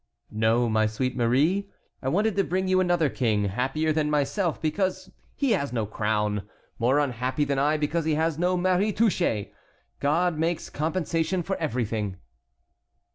"No, my sweet Marie, I wanted to bring you another king, happier than myself because he has no crown; more unhappy than I because he has no Marie Touchet. God makes compensation for everything."